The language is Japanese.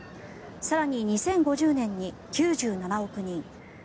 更に２０５０年に９７億人